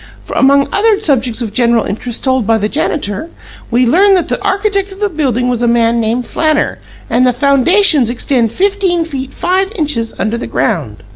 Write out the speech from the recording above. Among other subjects of general interest told by the janitor, we learn that the architect of the building was a man named Flanner, and the foundations extend fifteen feet five inches under the ground.'"